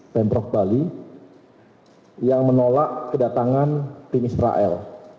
pemprov bali yang menolak kedatangan tim israel